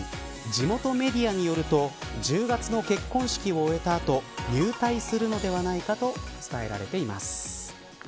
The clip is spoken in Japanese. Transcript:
地元メディアによると１０月の結婚式を終えた後入隊するのではないかと伝えられています。